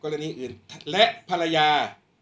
ช่างแอร์เนี้ยคือล้างหกเดือนครั้งยังไม่แอร์